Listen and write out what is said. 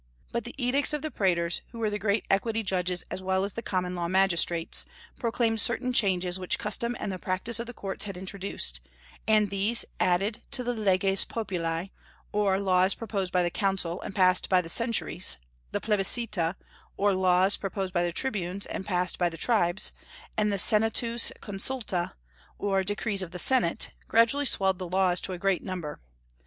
But the edicts of the praetors, who were the great equity judges as well as the common law magistrates, proclaimed certain changes which custom and the practice of the courts had introduced; and these, added to the leges populi, or laws proposed by the consul and passed by the centuries, the plebiscita, or laws proposed by the tribunes and passed by the tribes, and the senatus consulta, or decrees of the senate, gradually swelled the laws to a great number.